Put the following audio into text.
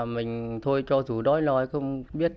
mình thôi cho dù đói lo hay không biết